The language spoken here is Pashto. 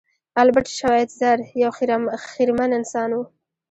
البرټ شوایتزر یو خیرمن انسان و.